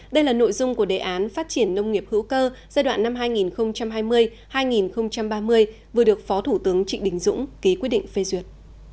đây là nội dung của đề án phát triển nông nghiệp hữu cơ giai đoạn năm hai nghìn hai mươi hai nghìn ba mươi vừa được phó thủ tướng trịnh đình dũng ký quyết định phê duyệt